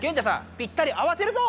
ぴったり合わせるぞ！